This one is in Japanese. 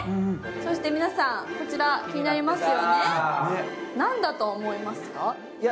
そして皆さん、こちら気になりますよね。